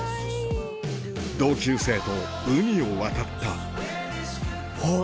同級生と海を渡ったあっ！